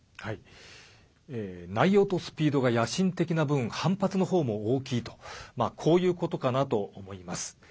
内容とスピードが野心的な分反発の方も大きいとこういうことかなと思います。